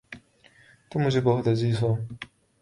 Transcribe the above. تم مجھے بہت عزیز ہو